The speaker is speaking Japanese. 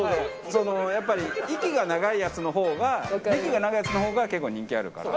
そのやっぱり息が長いやつの方が歴が長いやつの方が結構人気あるから。